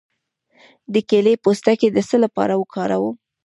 د کیلې پوستکی د څه لپاره وکاروم؟